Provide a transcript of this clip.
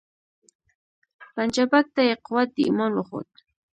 پنجابک ته یې قوت د ایمان وښود